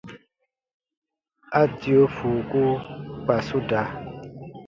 A dio fuuku kpa su da.